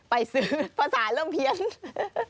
ไปซื้อภาษาเริ่มเพี้ยน